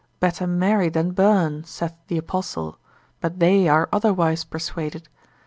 better marry than burn, saith the Apostle, but they are otherwise persuaded.